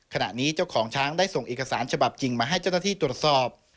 ขณะนี้เจ้าของช้างได้ส่งเอกสารฉบับจริงมาให้เจ้าหน้าที่ตรวจสอบ